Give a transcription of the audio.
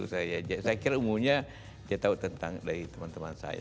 saya kira umumnya dia tahu tentang dari teman teman saya